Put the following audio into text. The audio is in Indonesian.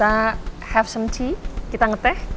apakah weeks ya konsumennya jatuh